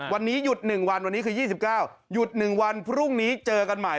วันนี้หยุดหนึ่งวันวันนี้คือยี่สิบเก้าหยุดหนึ่งวันพรุ่งนี้เจอกันใหม่